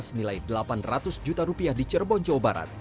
senilai delapan ratus juta rupiah di cirebon jawa barat